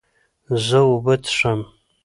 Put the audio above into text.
زه اوبه څښم.